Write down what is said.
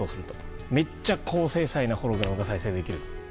めっちゃ高精細なホログラムが生成できる。